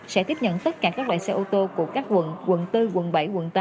sẽ tiếp nhận tất cả các loại xe ô tô của các quận quận bốn quận bảy quận tám